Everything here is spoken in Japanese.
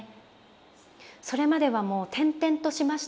それまではもう転々としましたね。